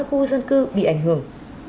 hệ thống cấp nước bị ảnh hưởng